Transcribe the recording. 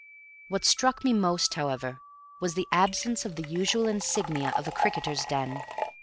What struck me most, however, was the absence of the usual insignia of a cricketer's den.